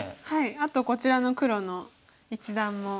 あとこちらの黒の一団も。